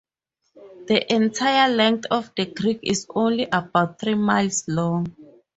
The entire length of the creek is only about three miles long.